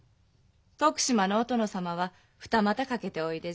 徳島のお殿様は二股かけておいでじゃ。